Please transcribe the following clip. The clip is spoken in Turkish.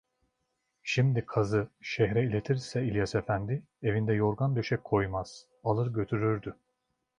Şimdi kazı şehre iletirse İlyas Efendi evinde yorgan döşek koymaz, alır götürürdü.